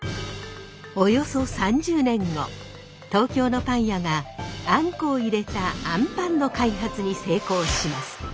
およそ３０年後東京のパン屋があんこを入れたあんぱんの開発に成功します。